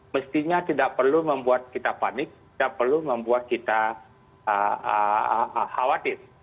mestinya tidak perlu membuat kita panik tidak perlu membuat kita khawatir